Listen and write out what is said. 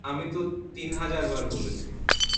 আমি তো তিন হাজার বার বলেছি।